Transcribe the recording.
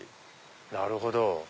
なるほど。